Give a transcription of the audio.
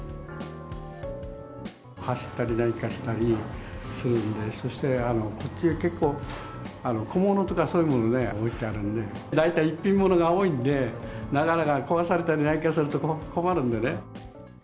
走ったり何かしたりするんで、そして、こっちが結構、小物とか、そういうもの置いてあるんで、大体一品物が多いんで、なかなか壊されたりなんかすると困るんでね。